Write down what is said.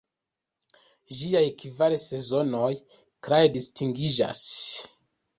Ĝiaj kvar sezonoj klare distingiĝas.